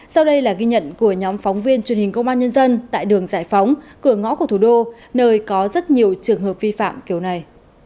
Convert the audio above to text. sau đây là ghi nhận của nhóm phóng viên truyền hình công an nhân dân tại đường giải phóng cửa ngõ của thủ đô nơi có rất nhiều trường hợp vi phạm kiểu này